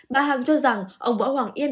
bà hằng cho rằng ông võ hoàng yên